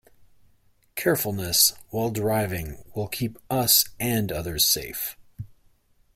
Carefulness while driving will keep us and others safe.